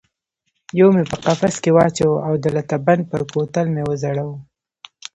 یو مې په قفس کې واچاوه او د لته بند پر کوتل مې وځړاوه.